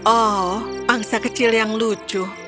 oh angsa kecil yang lucu